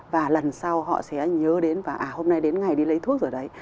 và lần sau họ sẽ nhớ đến và à hôm nay đến ngày đi lấy thuốc rồi đấy